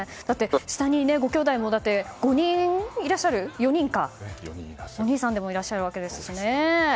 下にごきょうだいも４人いらっしゃるお兄さんでもいらっしゃるわけですしね。